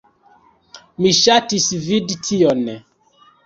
Mi ŝatis vidi tion.